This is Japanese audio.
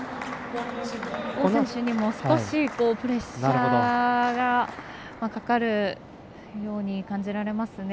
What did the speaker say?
王選手にも少しプレッシャーがかかるように感じますね。